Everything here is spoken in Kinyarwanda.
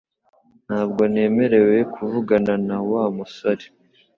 Ntabwo nemerewe kuvugana na Wa musore